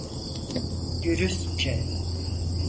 Dürüstçe.